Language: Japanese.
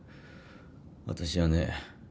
私はね